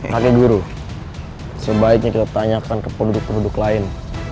kakek guru sebaiknya kita tanyakan ke penduduk penduduk lain